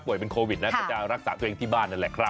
ถ้าป่วยโควิด๑๙น่าจะรักษาตัวเองที่บ้านนั่นแหละครับ